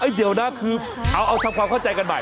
เดี๋ยวนะคือเอาทำความเข้าใจกันใหม่